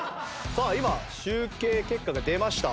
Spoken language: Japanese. さあ今集計結果が出ました。